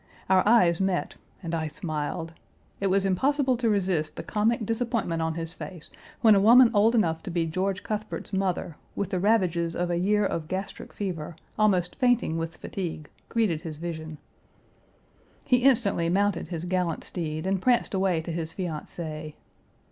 Our eyes met, and I smiled. It was impossible to resist the comic disappointment on his face when a woman old enough to be George Cuthbert's mother, with the ravages of a year of gastric fever, almost fainting with fatigue, greeted his vision. He instantly mounted his gallant steed and pranced away to his fiancée.